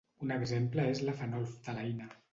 Un exemple és la fenolftaleïna.